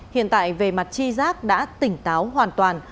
hiện tại về mặt chi giác đã tỉnh táo hoàn toàn